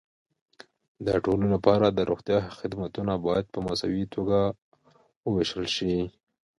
د ټولو لپاره د روغتیا خدمتونه باید په مساوي توګه وېشل شي.